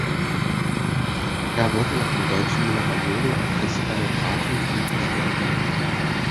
Es wurde nach dem deutschen Mineralogen und Kristallographen Friedrich Rinne benannt.